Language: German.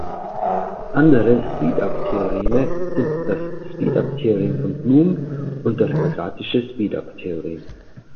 Andere Speedup-Theoreme sind das Speedup-Theorem von Blum und das quadratische Speedup-Theorem.